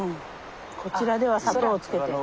こちらでは砂糖をつけて。